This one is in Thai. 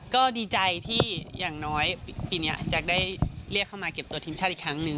ก็ดีใจที่อย่างน้อยปีนี้แจ๊คได้เรียกเข้ามาเก็บตัวทีมชาติอีกครั้งหนึ่ง